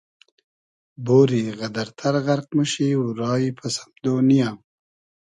بۉری غئدئر تئر غئرق موشی و رایی پئس امدۉ نییۂ